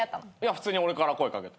普通に俺から声掛けて。